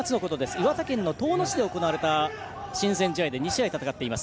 岩手県遠野市で行われた親善試合で２試合戦っています。